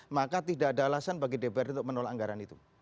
maka tidak ada alasan bagi dprd untuk menolak anggaran itu